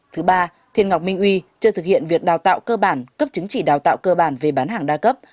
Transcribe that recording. thứ ba thiên ngọc minh uy chưa thực hiện việc đào tạo cơ bản cấp chứng chỉ đào tạo cơ bản về bán hàng đa cấp